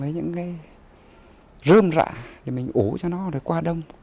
những cái rơm rạ để mình ủ cho nó rồi qua đông